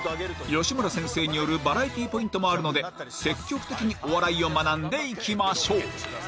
吉村先生によるバラエティポイントもあるので積極的にお笑いを学んでいきましょう